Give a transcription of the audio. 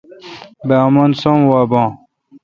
بہ امن سوم وا بھا۔